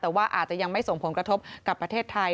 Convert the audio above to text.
แต่ว่าอาจจะยังไม่ส่งผลกระทบกับประเทศไทย